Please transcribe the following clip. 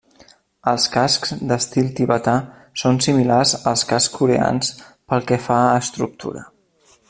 Els cascs d'estil tibetà són similars als cascs coreans pel que fa a estructura.